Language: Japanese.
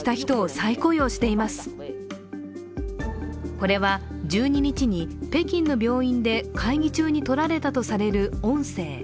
これは１２日に北京の病院で会議中に録られたとされる音声。